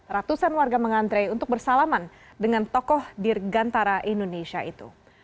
ratusan warga mengantre untuk bersalaman dengan tokoh dirgantara indonesia itu